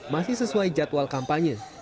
masih sesuai jadwal kampanye